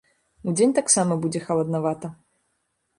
Удзень таксама будзе халаднавата.